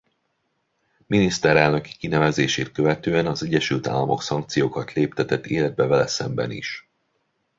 Miniszterelnöki kinevezését követően az Egyesült Államok szankciókat léptetett életbe vele szemben is.